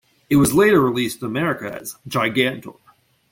It was later released in America as "Gigantor".